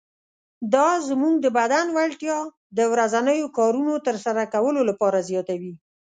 دا زموږ د بدن وړتیا د ورځنیو کارونو تر سره کولو لپاره زیاتوي.